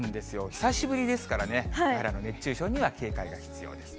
久しぶりですからね、熱中症には警戒が必要です。